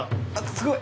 すごい。